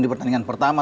di pertandingan pertama